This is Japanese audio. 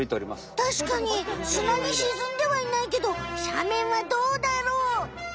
たしかにすなにしずんではいないけどしゃめんはどうだろう？